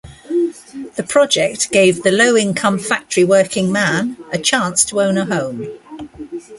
The project gave the low-income factory working man a chance to own a home.